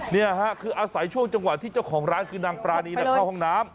นี่ค่ะคืออาศัยช่วงจังหวะที่เจ้าของร้านคือนางปรานีเข้าห้องน้ำ